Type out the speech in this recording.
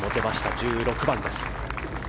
１６番です。